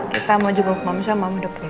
kita mau juga ke rumah misalnya mama udah pulang